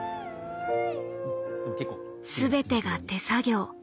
すべてが手作業。